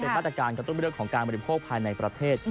มาตรการกระตุ้นเรื่องของการบริโภคภายในประเทศ